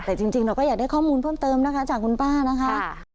แต่จริงเราก็อยากได้ข้อมูลเพิ่มเติมนะคะจากคุณป้านะคะ